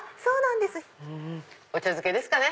そうなんです。